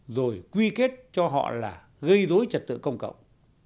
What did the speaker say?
rồi quy kết cho họ là gây dối trật tự công cộng